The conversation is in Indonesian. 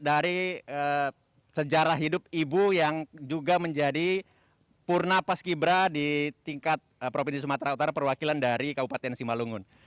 dari sejarah hidup ibu yang juga menjadi purna paski bra di tingkat provinsi sumatera utara perwakilan dari kabupaten simalungun